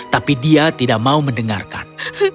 tapi dia tidak mau mendengarkan